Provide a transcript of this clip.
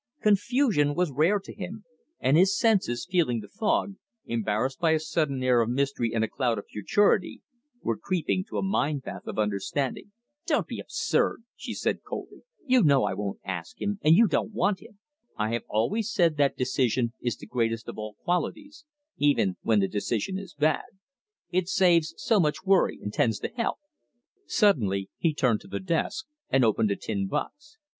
Confusion was rare to him, and his senses, feeling the fog, embarrassed by a sudden air of mystery and a cloud of futurity, were creeping to a mind path of understanding. "Don't be absurd," she said coldly. "You know I won't ask him, and you don't want him." "I have always said that decision is the greatest of all qualities even when the decision is bad. It saves so much worry, and tends to health." Suddenly he turned to the desk and opened a tin box.